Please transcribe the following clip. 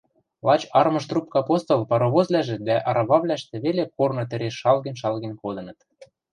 лач армыж трубка постол паровозвлӓжӹ дӓ арававлӓштӹ веле корны тӹреш шалген-шалген кодыныт.